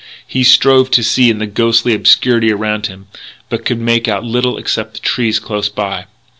He strove to see in the ghostly obscurity around him, but could make out little except the trees close by.